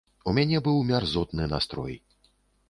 У мяне быў мярзотны настрой.